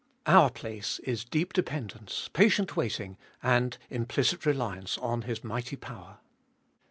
Our place is deep dependence, patient waiting, and implicit reliance on His mighty power.